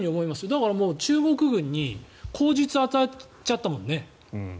だからもう中国軍に口実を与えちゃったもんね。